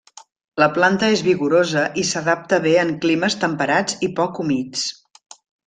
La planta és vigorosa i s'adapta bé en climes temperats i poc humits.